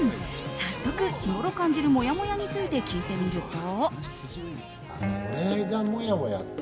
早速、日ごろ感じるもやもやについて聞いてみると。